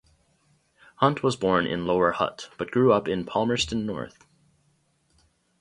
Hunt was born in Lower Hutt, but grew up in Palmerston North.